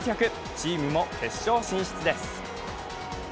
チームも決勝進出です。